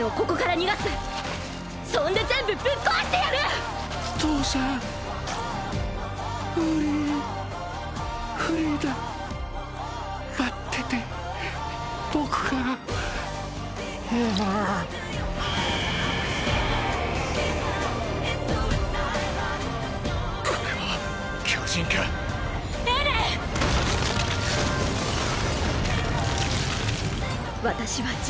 これは！！